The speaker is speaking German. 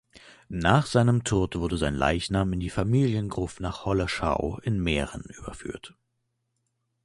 Nach seinem Tod wurde sein Leichnam in die Familiengruft nach Holleschau in Mähren überführt.